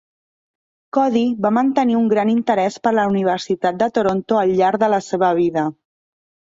Cody va mantenir un gran interès per la Universitat de Toronto al llarg de la seva vida.